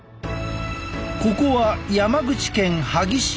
ここは山口県萩市。